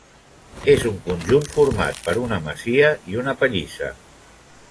És un conjunt format per una masia i una pallissa.